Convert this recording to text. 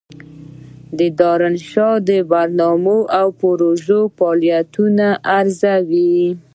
دارالانشا د برنامو او پروژو فعالیتونه ارزوي.